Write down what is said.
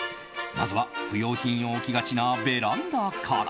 まずは不要品を置きがちなベランダから。